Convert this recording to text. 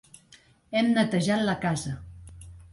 Hem netejat la casa.